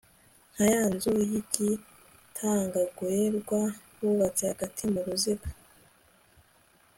nka ya nzu yigitagangurirwa bubatse hagati mu ruziga